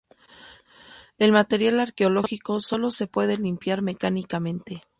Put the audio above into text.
El material arqueológico sólo se puede limpiar mecánicamente.